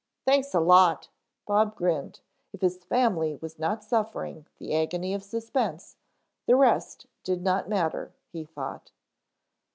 "Thanks a lot," Bob grinned. If his family was not suffering the agony of suspense, the rest did not matter, he thought.